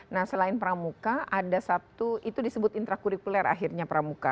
nah selain pramuka ada satu itu disebut intrakurikuler akhirnya pramuka